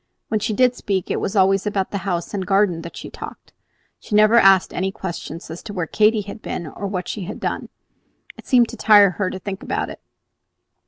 When she did speak it was always about the house and the garden that she talked. She never asked any questions as to where Katy had been, or what she had done; it seemed to tire her to think about it.